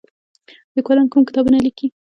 لیکوالان کوم کتابونه لیکي؟